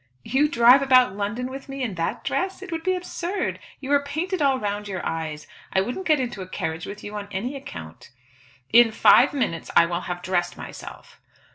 "You drive about London with me in that dress? It would be absurd. You are painted all round your eyes. I wouldn't get into a carriage with you on any account." "In five minutes I will have dressed myself."